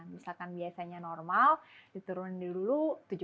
misalkan biasanya normal diturun dulu tujuh puluh lima puluh